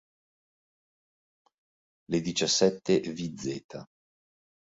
Le diciassette "vz.